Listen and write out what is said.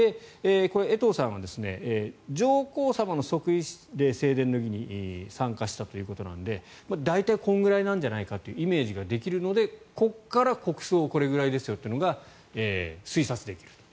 江藤さんは上皇さまの即位礼正殿の儀に参加したということなので大体このぐらいじゃないかとイメージができるのでここから国葬これぐらいですよっていうのが推察できると。